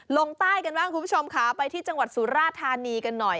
ลงใต้กันบ้างคุณผู้ชมค่ะไปที่จังหวัดสุราธานีกันหน่อย